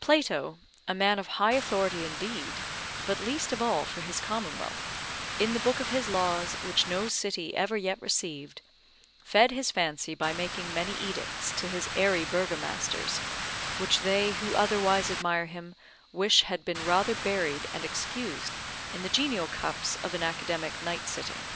Plato, a man of high authority, indeed, but least of all for his Commonwealth, in the book of his Laws, which no city ever yet received, fed his fancy by making many edicts to his airy burgomasters, which they who otherwise admire him wish had been rather buried and excused in the genial cups of an Academic night sitting.